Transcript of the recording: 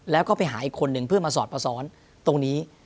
แล้วก็ไปหาอีกคนนึงเพื่อมาสอดผซ้อนตรงนี้